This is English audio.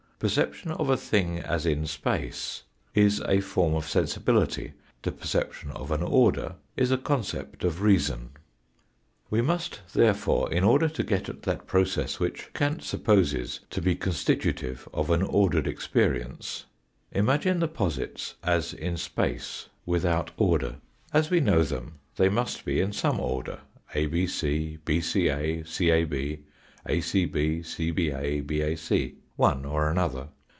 Perception of a thing as in space is a form of sensibility, the perception of an order is a concept of reason. We must, therefore, in order to get at that process which Kant supposes to be constitutive of an ordered experience imagine the posits as in space without order. As we know them they must be in some order, abc, bca, cab, acb, cba, bac, one or another.